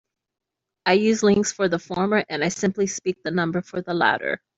I use "links" for the former and I simply speak the number for the latter.